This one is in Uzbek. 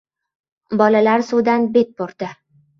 Bolalar suvdan bet burdi.